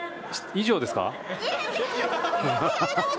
以上ですか？